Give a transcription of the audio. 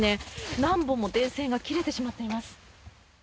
何本も電線が切れてしまっています。